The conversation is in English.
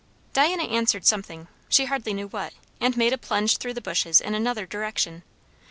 Diana answered something, she hardly knew what, and made a plunge through the bushes in another direction.